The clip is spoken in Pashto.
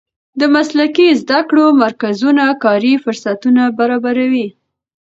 د مسلکي زده کړو مرکزونه کاري فرصتونه برابروي.